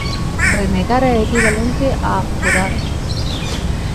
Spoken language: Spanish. Renegar es equivalente a abjurar.